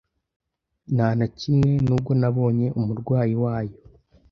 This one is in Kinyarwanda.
Nta na kimwe! Nubwo nabonye umurwayi wayo